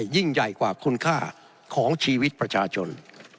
ยิ่งใหญ่กว่าคุณค่าของชีวิตประชาชน